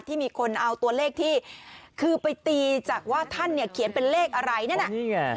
ที่มีคนเอาตัวเลขที่คือไปตีจากว่าท่านเนี่ยเขียนเป็นเลขอะไรนั่นน่ะนี่ไง